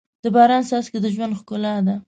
د باران څاڅکي د ژوند ښکلا ده.